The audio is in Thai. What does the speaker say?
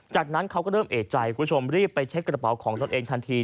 จากนั้นเขาก็เริ่มเอกใจคุณผู้ชมรีบไปเช็คกระเป๋าของตนเองทันที